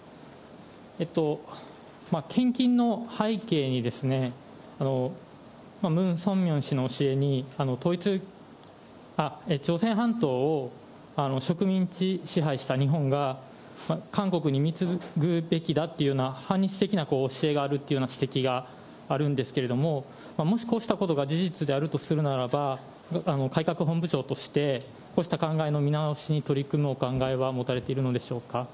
献金の背景に、ムン・ソンミョン氏の教えに朝鮮半島を植民地支配した日本が、韓国に貢ぐべきだというような反日的な教えがあるというような指摘があるんですけれども、もしこうしたことが事実であるとするならば、改革本部長としてこうした考えの見直しに取り組むお考えは持たれてるのでしょうか。